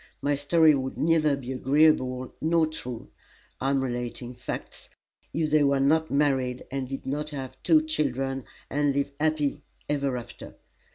My story would neither be agreeable nor true (I am relating facts) if they were not married, and did not have two children, and live happy ever after.